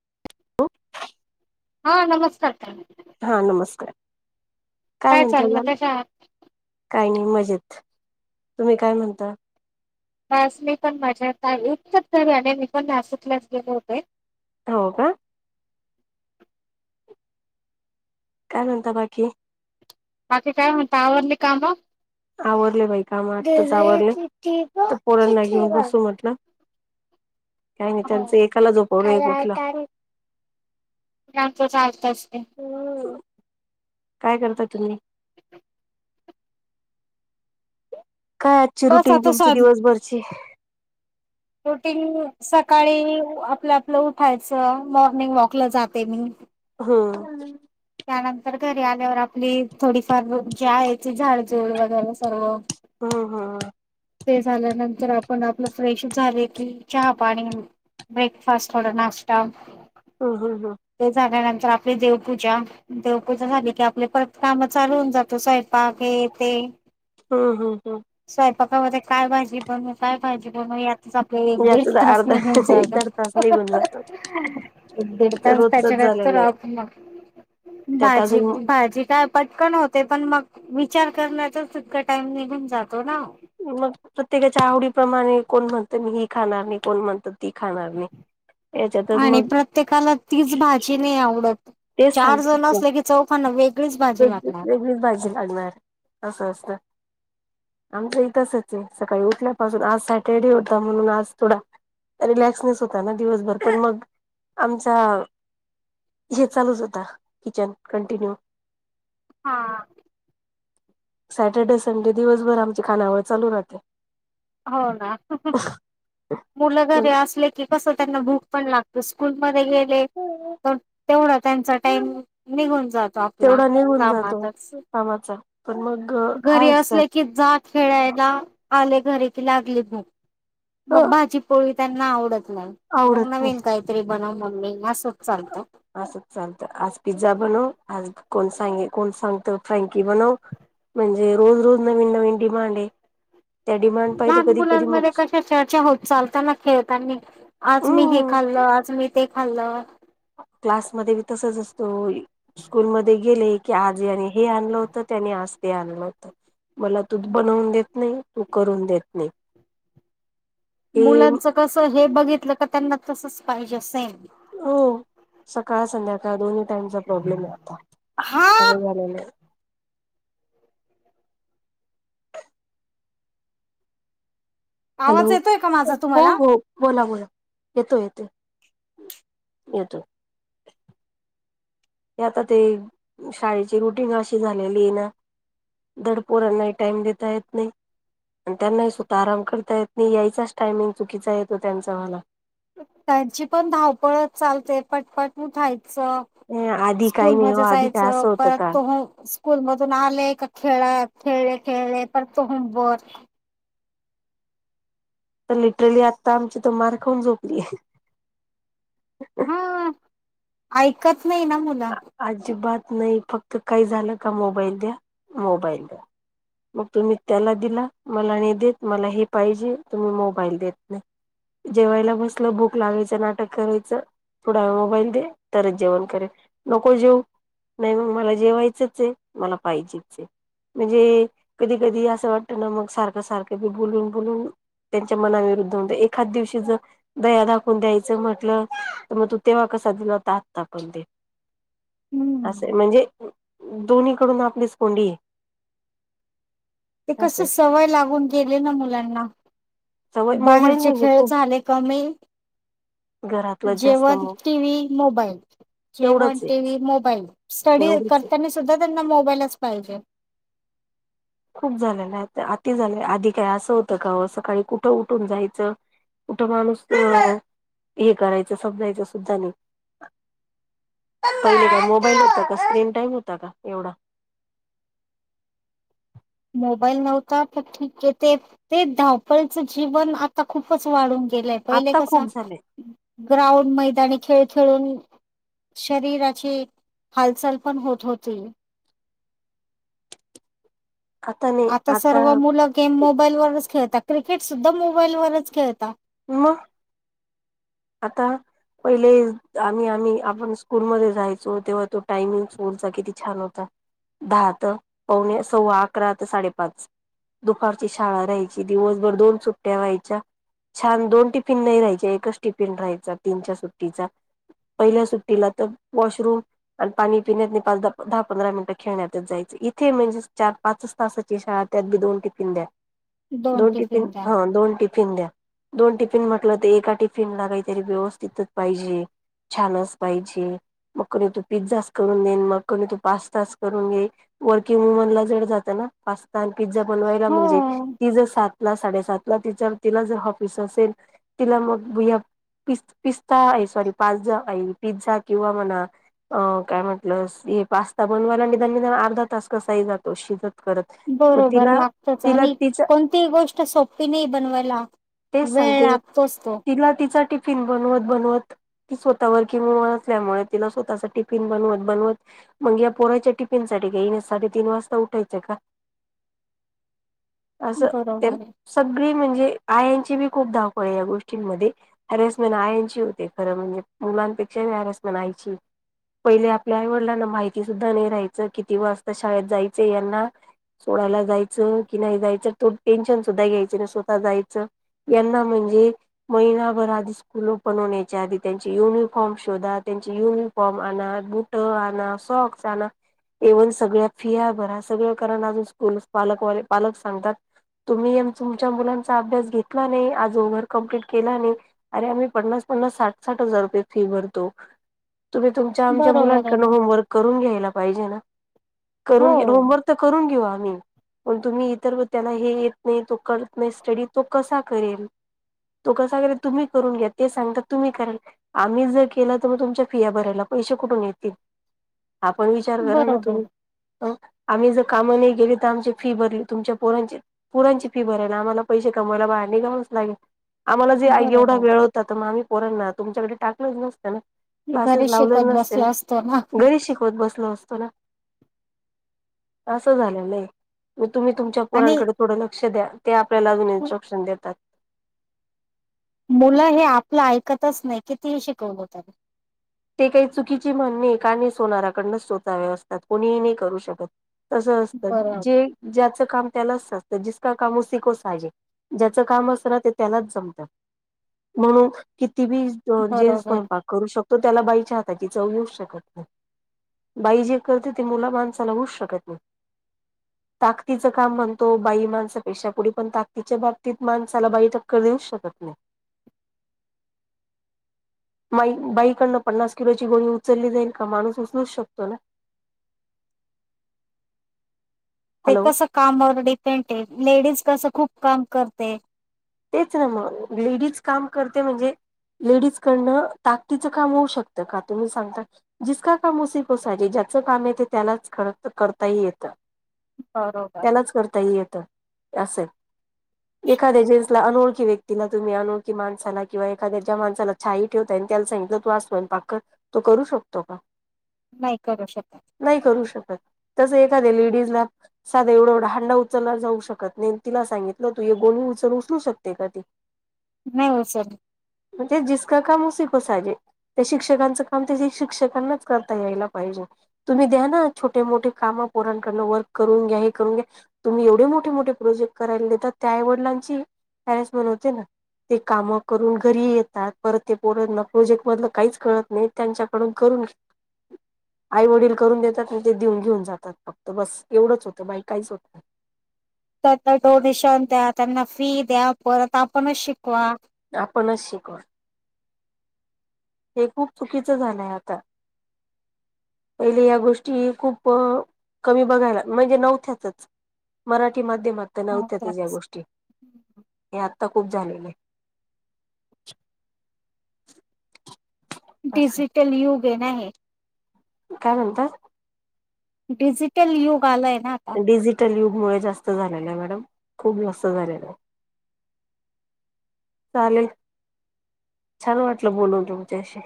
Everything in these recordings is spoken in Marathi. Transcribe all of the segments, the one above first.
[unintelligible] हां, नमस्कार. हां, नमस्कार. काय म्हणता चाललं मॅम त का? काही नी मजेत. तुम्ही काय म्हणता? बस मी पण मजेत आय. [unintelligible] मी पण [unintelligible] गेले होते. हो का? काय मन्ता बाकी? बाकी काय मन्ता, आवरली कामं? आवरले बाई कामं, आत्ताच आवरले. ते पोरणना घेऊ बसू म्हटलं. काही नाही हो त्यांचं, एकाला जो हो रे कुठला. आमच चालतच. ते. हम्. काय करता तुम्ही? काय आजची बस रुटिंग आता तुमची दिवसभरची? रुटींग सकाळी, आपलं, आपलं, उठायचं. मॉर्निंग वॉकला जाते मी. हम्म. त्यानंतर घरी आल्यावर आपली थोडीफार जे आहे याची झाडजूड वगैरे सर्व. हम्म, हम. ते झाल्यानंतर आपण आपलं फ्रेश झाले की, चहा, पाणी, ब्रेकफास्ट थोडा नाष्टा. हम् हम् हम्. तर आपली देवपूजा, देवपूजा झाली की आपले परत काम चालू होऊन जातो स्वयंपाक हे ते. हम् हम्म हम्. स्वयपाकामध्ये काय भाजी बनवू, काय भाजी बनवू, यात. आपले एक याच दीड तास अर्धा निघून एक जातात. दड तास निघून जातो एक दीड तास रोजचच त्याच्याकडं तर झालेलं आहे राहत मग त्यात अजून भाजी-भाजी काय पटकन होते पण मग. विचार करण्यातचा इतका टाइम निघून जातो ना. मग प्रत्येकाच्या आवडीप्रमाणे कोण म्हणते मी ही. खाणार नाही, कोण म्हणत ती खाणार नाही. याच्यातच आणि मग प्रत्येकाला तीच भाजी नाही आवडत चार जण असले की चव पण वे वेगळी वेगळीच भाजी लागणार असं असतं. आमचंही तसंच आहे सकाळी उठल्यापासून आज सॅटरडे होता म्हणून आज थोडा रिलॅक्सनेस होता ना दिवसभर पण मग आमचा हे चालूच होता किचन कंटिन्यू हां. सॅटर्डे संडे दिवसभर आमची खानावळ चालू राहते. हो ना मुलं घरी असले की कसं त्यांना भूक पण लाग स्कूलमध्ये गे [unintelligible] तेवढा त्यांचा टाईम निघून जातो आपला तेवढा निघून जातो कामातच. कामाचा पण मग घरी हायच असले त्यात. की जा खेळायला आले घरी की लागली भूक. अ मग भाजी पोळी त्यांना आवडत नाही मग आवडत नाही. नवीन काहीतरी बनव मम्मी मस्त असंच चालतं आज पिझ्झा बनव आज कोण सांगे कोण सांगत फ्रँकी बनव म्हणजे रोज रोज नवीन नवीन डिमांड आहे. त्या डिमांड पाहि तर लहान कधी कधी मग मुलांमध्ये कशा चर्चा होते, चालताना, खेळतान, आज मी हे हम्म खाल्लं आज मी. ते खाल्लं क्लासमध्ये बी तसच असत. स्कूल मध्ये गेले की आज हे आणलं होत, त्याने आज ते आणलं होत. मला तू बनवून देत. नाही तू करून देत नाही. हे मुलांच कस हे बघितलं का त्यांना तसच. पाहिजे सेम. हो सकाळ संध्याकाळ दोन्ही टाइमचा प्रॉब्लेम आहे, हा असे झालेले, हॅलो आवाज येतोय का माझा हो, तुम्हाला हो, बोला बोला. येतो, येतो, येतो. हे आता ते शाळेची रुटिंग अशी झालेली आहे ना, आता ते शाळेची रुटिंग नाही अशी झालेली ना धड पोरांना टाइम देता येत नाही आणि त्यांनाही स्वतःला आराम करता येत नाही यायचाच टायमिंग चुकीचा येतो त्यांचा वाला त्यांची पण धावपळच चालते पटपट उठायचे. नाही आधी काही स्कूल नाही हो मध्ये आधी काय जायचं असं होतं परत का तो आले स्कूल मधून आले खेळा खेळले खेळले पर तो होमवर्क. तर लिटरली आता आमची तर मार खाऊन झोपली आहे. हा ऐकत. नाही ना मुल. अजिबात नाही फक्त काही झालं का मोबाईल द्या मोबाईल द्या, मग तुम्ही त्याला दिला मला नाही देत मला हे पाहिजे, तुम्ही मोबाईल देत नाही जेवायला बसलं भूक लागायचं नाटक करायचं, थोडा वेळ मोबाईल दे तरच जेवण करे. नको जेवू नाही मग मला जेवायचंच हे मला पाहिजेच हे, म्हणजे कधी कधी असं वाटत ना मग सारखं सारखं बी बोलून बोलून त्यांच्या मनाविरुद्ध एखाद दिवशी जर दया दाखवून द्यायचं म्हटलं, त मग तू तेव्हा कसा दिला होता आता पण दे. हम्म असं म्हणजे. दोन्ही कडून आपलीच कोंडी हे. ते कस सवय लागून गेली ना मुलांना. सवय मोबाईल बाहेरचे म्हणजे खेळ खूप झाले कमी, घरातलं जास्त जेवण मग टीव्ही मोबाईल, जेवण तेवढंच आहे टीव्ही मोबाईल. स्टडी एवढंच आहे करताना सुद्धा. त्यांना मोबाईलच पाहिजे. खूप झालेला आता आती झाले, आधी काय असं होतं का सकाळी कुठं उठून जायचं, कुठं माणूस हे करायचं समजायचं सुद्धा नाही, पहिले काय मोबाईल होता का स्क्रीन टाईम होता का एवढा. मोबाईल नव्हता तर ठीक हे, ते ते धावपळीचं जीवन आता खूपच वाढून. पहिले आता कसा खूप झाले ग्राउंड मैदानी खेळ. खेळूनि शरीराची हालचाल पण होत होती. आता सर्व मुलं गेम, मोबाईल वरच खेळत. क्रिकेट सुद्धा मोबाईलवरच खेळता. म! आता पहिले आम्ही, आम्ही आपण स्कूलमध्ये जायचो तेव्हा तो टायमिंग स्कुलचा किती छान होता दहा त पवणे सव्वा अकरा ते साडेपाच, दुपारची शाळा राहायची दिवसभर दोन सुट्ट्या व्हायच्या, छान दोन टिफिन नाही राहायच्या एकच टिफिन राहायचा तीनच्या सुट्टीचा, पहिल्या सुट्टीला त वॉशरूम आणि पाणी पिण्यात नी पाच दहा, दहा पंधरा मिनिटं खेळण्यातच जायचे, इथे म्हणजे चार पाचच तासाची शाळा त्यात बी दोन टिफिन द्या. दोन टिफिन ह दोन टिफ फिन द्या दोन टिफिन म्हटल तर एका टिफ फिनला काहीतरी व्यवस्थितच पाहिजे, छानच पाहिजे मग कणी तू पिझ्झाच करून दे, मग कनी तू पास्ताच करून दे, वर्किंग वुमन ला जड जात ना पास्ता आणी. पिझ्झा बनवायला हो म्हणजे ति ज सात साडेसात ला तिच तिला जर ऑफिस असेल तिला मग पिस् पिस्ता, हे सॉरी पाझ्झा, आहे पिझ्झा किंवा म्हणा अ काय म्हंटल हे पास्ता बनवायला निदान निदान अर्धा तास कसाही जातो शिजत करत. मग बरोबर तिला लागतच, तिला आणि तिच कोणतीही गोष्ट सोपी नाही बनवायला तेच वेळ सांगते लागतोच तो. तिला तिचा टिफिन बनवत, बनवत ती स्वतः वरकिंग वूमन असल्यामुळे, तिला स्वतःचा टिफिन बनवत, बनवत, मग या पोराच्या टिफिन साठी इनें साडे तीन वाजता उठायच का? असं तेन बरोबर आहे. सगळी म्हणजे आयाची. ची खुप धाव पळ आहे या गोष्ट हारसमेंट आयाची होते खरं म्हणजे मुलांपेक्षा बी हॅरसमेंट आई ची, पहिले आपल्या आईवडिलांना माहिती सुद्धा नही राहायचं किती वाजता शाळेत जायच यांना सोडायला जायचं, कि नाही जायच तो टेन्शन सुद्धा घ्यायच नाही, स्वतः जायचं यांना म्हणजे. महिनाभर आधी स्कूल ओपन होण्याच्या आधी त्यांचे युनिफॉर्म शोधा, त्यांचे युनिफॉर्म आणा, बुट आणा, सॉक्स आणा, इव्हन सगळ्या फिया भरा, सगळं करा नं अजून स्कूल स पालकवाले, पालक सांगतात, तुम्ही तुमच्या मुलांचा अभ्यास घेतला नाही आज होमवर्क कम्प्लिट केला आणि अरे आम्ही पन्नास, पन्नास, साठ, साठ हजार रुपये फी भरतो. तुम्ही तुमच्या आमच्या बरोबर आहे मुलांकडनं होमवर्क करून घ्यायला पाहिजे ना. हो करून घे होमवर्क तर करून घेऊ आ पण तुम्ही इतर वेळे त्यांना हे येत नाही, तो करत नाही स्टडी, तो कसा करेल? तो कसा करेल तुम्ही करून घ्या, ते सांगता तुम्ही कराल, आम्ही जर केलं तर म तुमच्या फिया भरायला पैसे कुठून येतील. आपण विचार करा ना बरोबर तुम्ही? आम्ही जर कामा नाही गेली तर आमची फी भरी तुमच्या पोरांची पोरांची फी भरायला आम्हाला पैसे कमायला बाहेर निघावंच लागेल आम्हाला जे आई एवढा बरोबर वेळ होताात मग आम् कोरणना तुमच्याकडे टाकलंच नसतं ना क्लासेस घरी लावले शिकवत नसते बसला असतो ना घरी शिकवत बसलत अस झालं नाही म तुम्हीुच्या प आणि कोरांकडे थों लक्ष्या ते आप आपल्याला जण्या लक्षण देतात मुलं हे आपलं ऐकतच नाही की तीही शिकवून होतात ते काही चुकीची म्हणणे काणी सोनाराकडन सोचावे असतात कोणीही नाही करू शकत तस असत बरोबर जे ज्याच जच का असत त्या ज म्हण ती बी जेन्स बरोबर स्वयंपाक करू शकतो तो त्याला बाईच्या हाताची चव येऊ शकत नाही बाई जे करते ते मुलं माणसाला होऊ शकत नाही ताकतीचं काम म्हणतो बाई माणसापेक्षा पुढे पण ताकतीच्या बाबतीत माणसाला बाई टक्कर देऊ शकत नाही बाई डन पन्नास किलोची गोणी उचलली जाईल का माणूस उचलूच शकतो ना ते हॅलो कस कामवर डिपेंड लेडीज कसं खूप काम करते तेच ना मग लेडीज काम करते म्हणजे लेडीज कडनं ताकदीचं काम होऊ शकतं का तुम्ही सांगता जिसका काम उसिकोसायजे ज्याचं काम येते त्यालाच खर करताही येतं बरोबर. त्यालाच करता ह येतं अस अस एखाद्या ज अनोळखी व्यक्तीला तुम्ही अनोखीणसाला किंवा एखाद्या ज्या माणसाला छाई ठेवता आणि त्याला सांगितलं तू अस पाक तो करू शकतो का नाही करू शकत. तस एखाद्या लेडीज ला साधा एवढा एवढा हांडा उचलला जाऊ शकत नाही तिला सांगितलं तू हे गोनणी उचलू शक- उचलू शकते का ती. नाही उचलत. म्हणजे जिसका काम उसीको साजे, त्या शिक्षकांचं काम ते शिक्षकांनाच करता यायला पाहिजे तुम्ही द्या ना छोटे मोठे काम पोरांकडन वर्क करून घ्या हे करून घ्या तुम्ही एवढे मोठे मोठे प्रोजेक्ट करायला देता त्या आई वडिलांची- त्यावेळेस म्हण होती ना ते कामं करून घरी येतात परत ते पोरना प्रोजेक्ट मधलं काहीच कळत नाही त्यांच्याकडून करून घेतात. आई वडील करून देतात ते देऊन घेऊन जातात फक्त बस एवढंच होतं बाकी काहीच होत नाही. त्यांना डोनेशन द्या त्यांना फी द्या परत आपणच शिकवा. आपणच शिकवा. हे खूप चुकीच झालंय आता. पहिले या गोष्टी खूप कमी बघायला म्हणजे नव्हत्यातच मराठी मध्य- मात त हा, नव्हत्यातच या त्याच गोष्टी ह्या आत- खूप झालेले- डिजिटल युग- ते णाये काय म्हणता. डिजिटल युग आलाय- ना आता. डिजिटल युग- मुळे जास्त झालेलय मॅडम खूप जास्त झालेलंय. चालेल छान वाटल बोलून तुमच्याशी.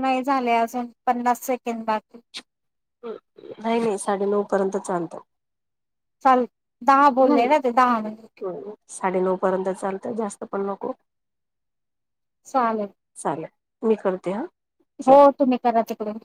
नाही झाले अजून पन्नास सेकंड बाकीये. नाही नाही साडे नऊ पर्यंत चालत. हल. दाहा बोलले ना ते दाह- साडे नऊ पर्यंत चालतं जास्त पण नको- चालेल. चालेल मी करते हा. हो चालेल तुम्ही करा तिकडून.